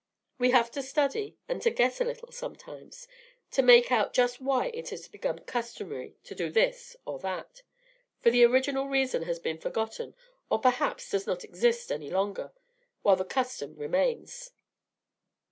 We have to study, and to guess a little sometimes, to make out just why it has become customary to do this or that, for the original reason has been forgotten or perhaps does not exist any longer, while the custom remains."